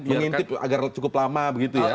mengintip agar cukup lama begitu ya